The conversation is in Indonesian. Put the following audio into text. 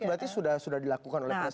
berarti sudah dilakukan oleh presiden